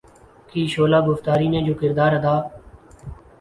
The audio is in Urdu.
کی شعلہ گفتاری نے جو کردار ادا